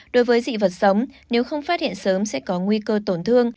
đối với dị vật sống nếu không phát hiện sớm sẽ có nguy cơ tổn thương